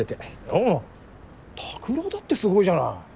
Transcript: いや拓郎だってすごいじゃない。